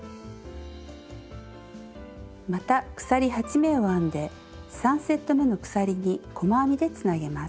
また鎖８目を編んで３セットめの鎖に細編みでつなげます。